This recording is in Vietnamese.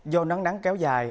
do nắng nắng kéo dài